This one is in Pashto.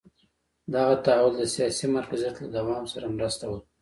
دغه تحول د سیاسي مرکزیت له دوام سره مرسته وکړه.